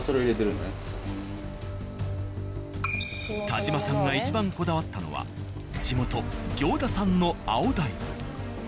田島さんがいちばんこだわったのは地元行田産の青大豆。